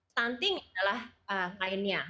stunting adalah lainnya